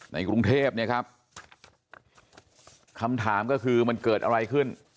กรุงเทพเนี่ยครับคำถามก็คือมันเกิดอะไรขึ้น